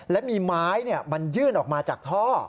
และมีไม้มันยื่นออกมาจากท่อ